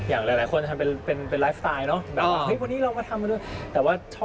อย่างหลายคนทำเป็นไลฟ์สไตล์เนาะ